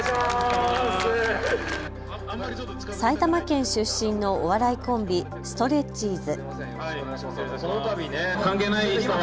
埼玉県出身のお笑いコンビ、ストレッチーズ。